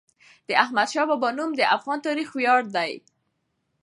د احمدشاه بابا نوم د افغان تاریخ ویاړ دی.